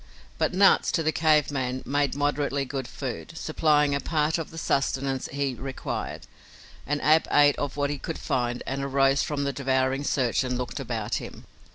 But nuts, to the cave man, made moderately good food, supplying a part of the sustenance he required, and Ab ate of what he could find and arose from the devouring search and looked about him.